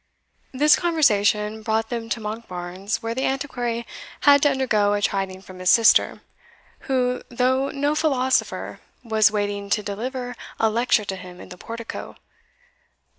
This conversation brought them to Monkbarns, where the Antiquary had to undergo a chiding from his sister, who, though no philosopher, was waiting to deliver a lecture to him in the portico.